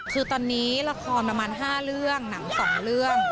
คือตอนนี้ละครประมาณ๕เรื่องหนัง๒เรื่อง